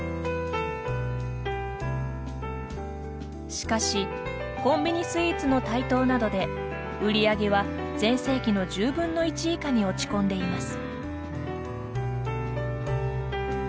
しかし、コンビニスイーツの台頭などで、売り上げは全盛期の１０分の１以下に落ち込んでいます。